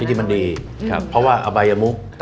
ที่มันดีเพราะว่าอบายมุก